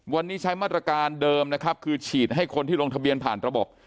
วันนี้ใช้มาตรการเดิมนะครับคือฉีดให้คนที่ลงทะเบียนผ่านระบบ